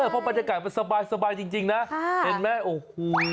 เพราะบรรยากาศมันสบายจริงนะเห็นไหมโอ้โห